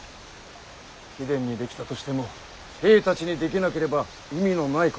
貴殿にできたとしても兵たちにできなければ意味のないこと。